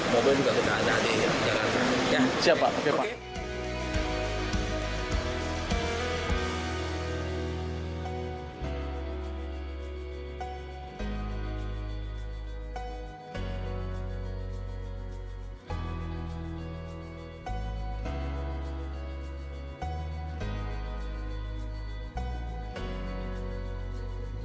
mobil juga kita adek adek